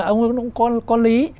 ông ấy cũng có lý